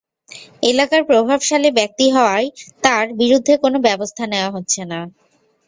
এলাকার প্রভাবশালী ব্যক্তি হওয়ায় তাঁর বিরুদ্ধে কোনো ব্যবস্থা নেওয়া হচ্ছে না।